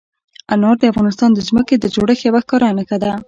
انار د افغانستان د ځمکې د جوړښت یوه ښکاره نښه ده.